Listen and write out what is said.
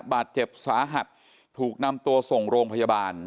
บาดเจ็บสาหัสถูกนำตัวส่งโรงพยาบาล